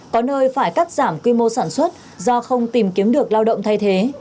có nơi phải cắt giảm quy mô sản xuất do không tìm kiếm được lao động thay thế